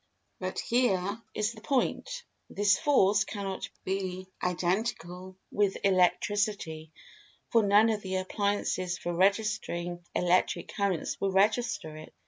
But, here is the point, this Force cannot be identical with Electricity, for none of the appliances for registering electric currents will register it.